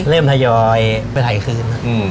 เริ่มทยอยไปถ่ายคืน